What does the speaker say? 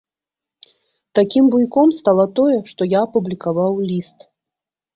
Такім буйком стала тое, што я апублікаваў ліст.